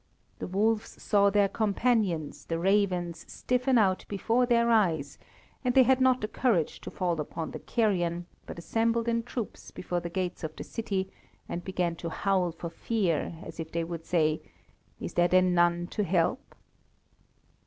The wolves saw their companions, the ravens, stiffen out before their eyes, and they had not the courage to fall upon the carrion, but assembled in troops before the gates of the city and began to howl for fear, as if they would say: "Is there then none to help?"